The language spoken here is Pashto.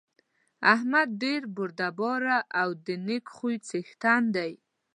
احمد ډېر بردباره او د نېک خوی څېښتن دی.